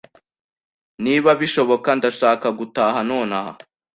Niba bishoboka, ndashaka gutaha nonaha.